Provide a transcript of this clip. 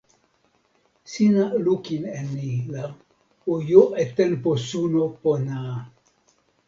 sina lukin e ni la o jo e tenpo suno pona a!